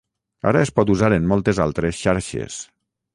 Ara es pot usar en moltes altres xarxes.